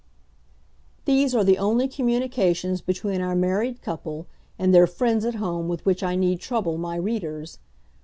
These were the only communications between our married couple and their friends at home with which I need trouble my readers.